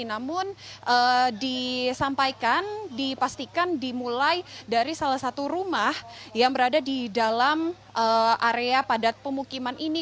namun disampaikan dipastikan dimulai dari salah satu rumah yang berada di dalam area padat pemukiman ini